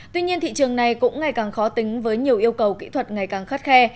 tuy nhiên thị trường này cũng ngày càng khó tính với nhiều yêu cầu kỹ thuật ngày càng khắt khe